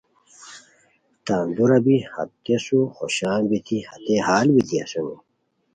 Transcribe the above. تان دورا بی ہتیسو خوشان بیتی ہتئے ہال بیتی اسونی